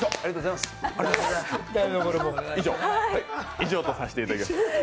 以上とさせていただきます。